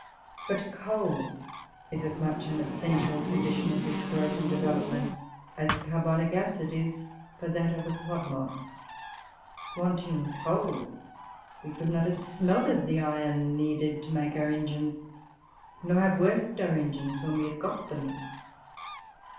But coal is as much an essential condition of this growth and development as carbonic acid is for that of a club moss. Wanting coal, we could not have smelted the iron needed to make our engines, nor have worked our engines when we had got them.